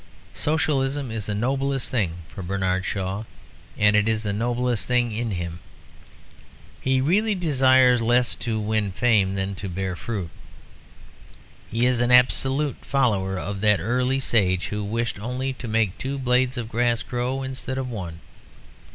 Socialism is the noblest thing for Bernard Shaw; and it is the noblest thing in him. He really desires less to win fame than to bear fruit. He is an absolute follower of that early sage who wished only to make two blades of grass grow instead of one.